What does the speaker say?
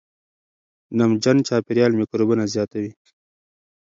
نمجن چاپېریال میکروبونه زیاتوي.